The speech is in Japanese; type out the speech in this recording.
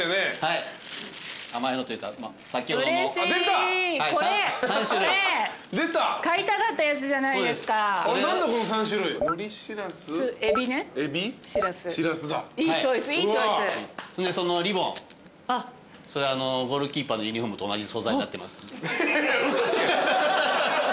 現役のときのゴールキーパーのユニホームと同じ。